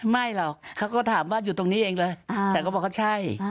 ไม่หรอกเขาก็ถามว่าอยู่ตรงนี้เองเลยฉันก็บอกว่าใช่